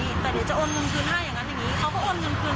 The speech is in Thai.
นี่อย่างนี้แต่เดี๋ยวจะโอนมือคืนให้อย่างนั้นนี่